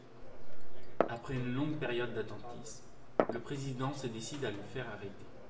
Après une longue période d'attentisme, le président se décide à le faire arrêter.